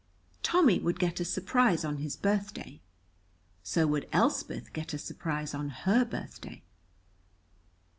Tommy would get a surprise on his birthday. So would Elspeth get a surprise on her birthday.